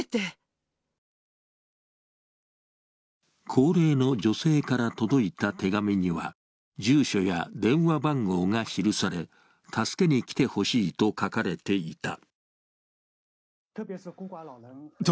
高齢の女性から届いた手紙には住所や電話番号が記され、助けに来てほしいと書かれていた。